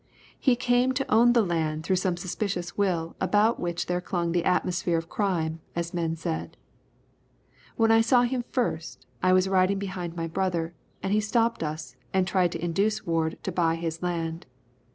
He came to own the land through some suspicious will about which there clung the atmosphere of crime, as men said. When I saw him first, I was riding behind my brother, and he stopped us and tried to induce Ward to buy his land.